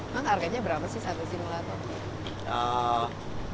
memang harganya berapa sih satu simulator